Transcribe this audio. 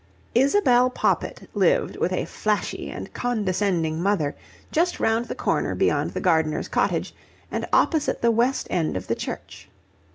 Isabel Poppit lived with a flashy and condescending mother just round the corner beyond the gardener's cottage, and opposite the west end of the church.